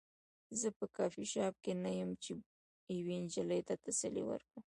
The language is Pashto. زه په کافي شاپ کې نه یم چې یوې نجلۍ ته تسلي ورکړم